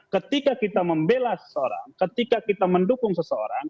ketika kita membela seseorang ketika kita mendukung seseorang